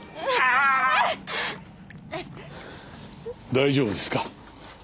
大丈夫ですか？